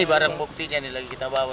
ini barang buktinya yang kita bawa